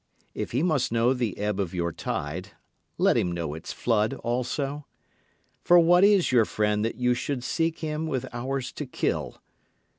If he must know the ebb of your tide, let him know its flood also. For what is your friend that you should seek him with hours to kill?